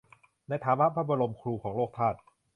ในฐานะพระบรมครูของโลกธาตุ